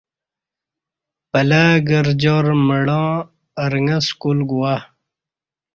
پلہ گرجار مڑاں ارݣہ سکول گو وا